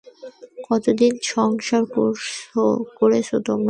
কতদিন সংসার করেছ তোমরা?